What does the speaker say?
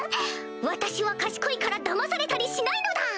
私は賢いからだまされたりしないのだ！